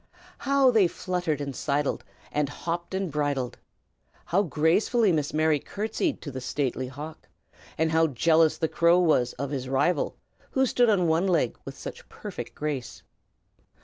How they fluttered and sidled, and hopped and bridled! How gracefully Miss Mary courtesied to the stately hawk; and how jealous the crow was of this rival, who stood on one leg with such a perfect grace!